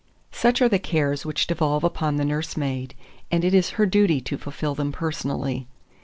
2402. Such are the cares which devolve upon the nursemaid, and it is her duty to fulfil them personally.